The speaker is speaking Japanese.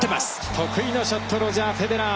得意のショットロジャー・フェデラー。